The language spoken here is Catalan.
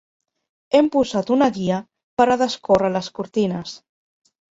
Hem posat una guia per a descórrer les cortines.